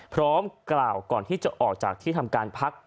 พร้อมกล่าวก่อนที่จะออกจากที่ทำการพัก